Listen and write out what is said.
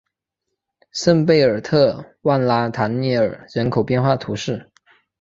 圣贝尔特万拉唐涅尔人口变化图示